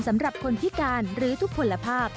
สำหรับคนพิการหรือทุกคนละภาพ